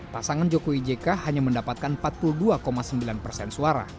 pasangan jokowi jk hanya mendapatkan empat puluh dua sembilan persen suara